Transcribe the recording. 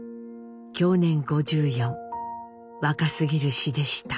享年５４若すぎる死でした。